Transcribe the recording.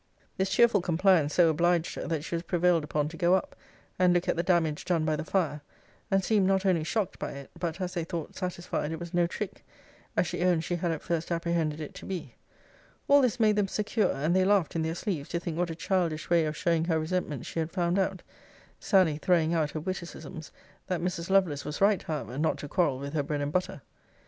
'This cheerful compliance so obliged her, that she was prevailed upon to go up, and look at the damage done by the fire; and seemed not only shocked by it, but, as they thought, satisfied it was no trick; as she owned she had at first apprehended it to be. All this made them secure; and they laughed in their sleeves, to think what a childish way of showing her resentment she had found out; Sally throwing out her witticisms, that Mrs. Lovelace was right, however, not to quarrel with her bread and butter.'